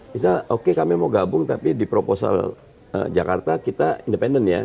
misal oke kami mau gabung tapi di proposal jakarta kita independen ya